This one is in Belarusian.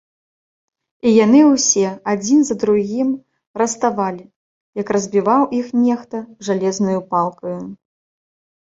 І яны ўсе адзін за другім раставалі, як разбіваў іх нехта жалезнаю палкаю.